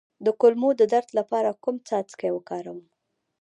د کولمو د درد لپاره کوم څاڅکي وکاروم؟